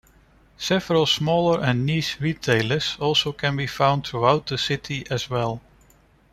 Several smaller and niche retailers also can be found throughout the city as well.